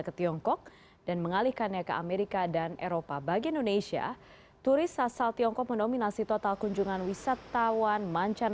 pemerintah juga menghentikan promosi wisata